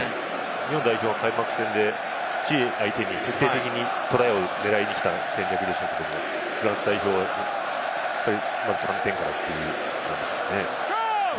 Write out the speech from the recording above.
日本代表は開幕戦でチリ相手に徹底的にトライを狙いにいった戦略でしたけれども、フランス代表は３点からっていう感じですかね。